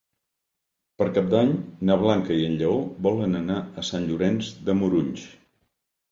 Per Cap d'Any na Blanca i en Lleó volen anar a Sant Llorenç de Morunys.